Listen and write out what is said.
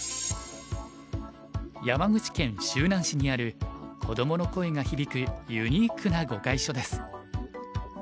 山口県周南市にあるこどもの声が響くユニークな碁会所です。